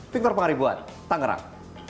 victor pangaribuan tangerang